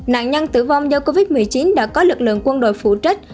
nạn nhân tử vong do covid một mươi chín đã có lực lượng quân đội phụ trách